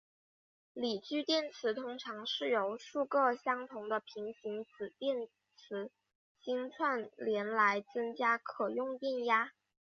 锂聚电池通常是由数个相同的平行子电池芯串联来增加可用电压。